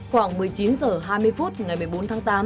khoảng một mươi chín h hai mươi phút ngày một mươi bốn tháng tám